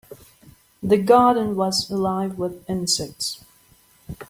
The garden was alive with insects.